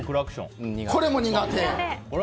これも苦手と。